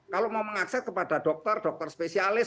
kalau mau mengakses kepada dokter dokter spesialis